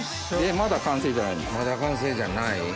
まだ完成じゃない？